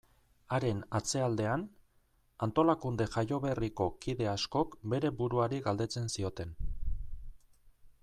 Haren atzealdean, antolakunde jaioberriko kide askok bere buruari galdetzen zioten.